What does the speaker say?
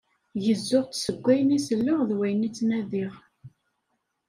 Gezzuɣ-tt seg wayen i selleɣ d wayen i ttnadiɣ.